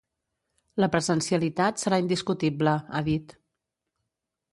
La presencialitat serà indiscutible, ha dit.